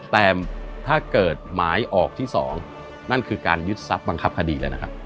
แต่ถ้าเกิดหมายออกที่๒นั่นคือการยึดทรัพย์บังคับคดีแล้วนะครับ